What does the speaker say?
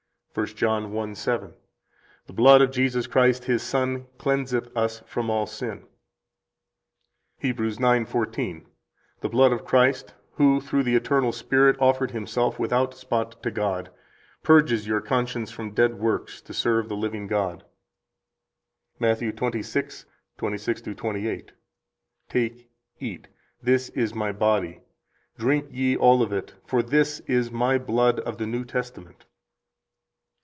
66 1 John 1:7: The blood of Jesus Christ, His Son cleanseth us from all sin. 67 Heb. 9:14: The blood of Christ, who through the eternal Spirit offered Himself without spot to God, purges your conscience from dead works to serve the living God. 68 Matt. 26:26 28: Take eat; this is My body…. Drink ye all of it; for this is My blood of the new testament.